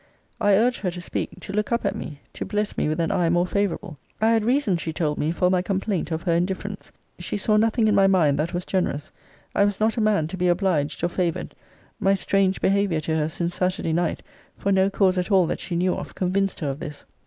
I urged her to speak; to look up at me; to bless me with an eye more favourable. I had reason, she told me, for my complaint of her indifference. She saw nothing in my mind that was generous. I was not a man to be obliged or favoured. My strange behaviour to her since Saturday night, for no cause at all that she knew of, convinced her of this.